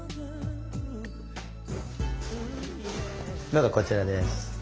どうぞこちらです。